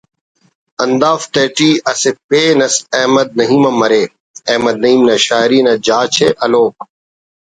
ہندافتیٹی اسہ پن اس احمد نعیم ہم ارے…………احمد نعیم نا شاعری نا جاچ ءِ ہلوک